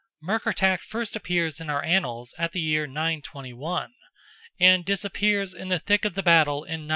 Murkertach first appears in our annals at the year 921, and disappears in the thick of the battle in 938.